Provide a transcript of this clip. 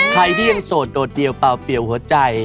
ใครที่ยังโสดโดดเดี่ยวเป่าเปลี่ยวหัวใจ